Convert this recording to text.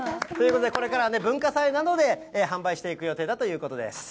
これから文化祭などで販売していく予定だということです。